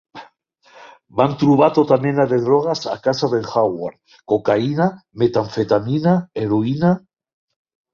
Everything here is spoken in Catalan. Van trobar tota mena de drogues a casa d'en Howard: cocaïna, metamfetamina, heroïna...